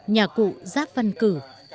nhà cụ giáp văn cử